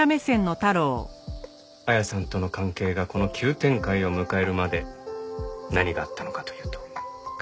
彩さんとの関係がこの急展開を迎えるまで何があったのかというと。